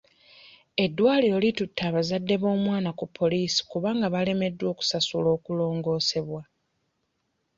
Eddwaliro litutte bazadde b'omwana ku poliisi kubanga baalemereddwa okusasulira okulongoosebwa.